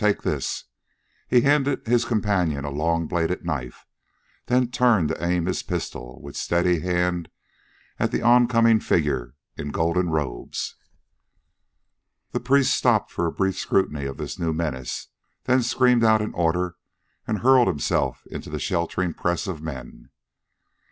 Take this!" He handed his companion a long bladed knife, then turned to aim his pistol with steady hand at the oncoming figure in golden robes. The priest stopped for a brief scrutiny of this new menace, then screamed out an order and hurled himself into the sheltering press of men.